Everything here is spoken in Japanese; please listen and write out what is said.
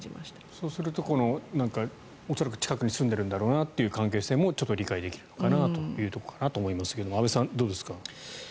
そうすると恐らく近くに住んでるんだろうなって関係性もちょっと理解できるのかなというところだと思いますが安部さんどうですか。